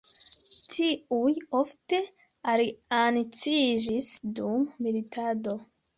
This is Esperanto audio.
Tiuj ofte alianciĝis dum militado.